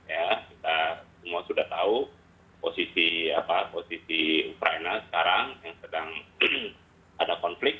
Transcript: ya kita semua sudah tahu posisi ukraina sekarang yang sedang ada konflik